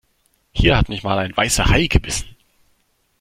Hier hat mich mal ein Weißer Hai gebissen.